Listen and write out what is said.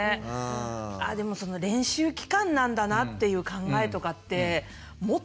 あぁでもその練習期間なんだなっていう考えとかって持ってなかったんで。